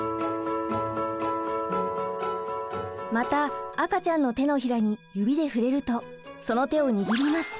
また赤ちゃんの手のひらに指で触れるとその手を握ります。